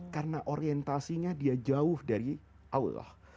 karena orientasinya dia jauh dari allah